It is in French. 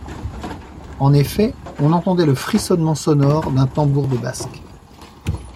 En effet, on entendait le frissonnement sonore d’un tambour de basque.